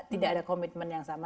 tidak ada komitmen yang sama